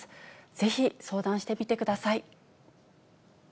ぜひ相談してみてください。